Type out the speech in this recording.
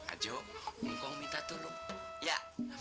ajok minta tolong ya